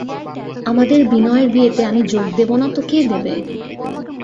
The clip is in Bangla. আমাদের বিনয়ের বিয়েতে আমি যোগ দেব না তো কে দেবে!